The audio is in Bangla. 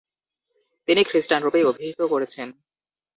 তিনি খ্রিস্টান রূপেই অভিহিত করেছেন।